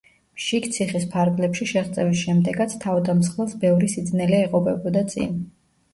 შიგ ციხის ფარგლებში შეღწევის შემდეგაც თავდამსხმელს ბევრი სიძნელე ეღობებოდა წინ.